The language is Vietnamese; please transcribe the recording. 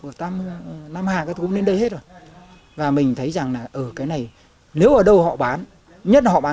các nam hà các thú đến đây hết rồi và mình thấy rằng là ở cái này nếu ở đâu họ bán nhất họ bán